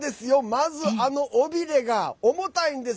まず、あの尾びれが重たいんです。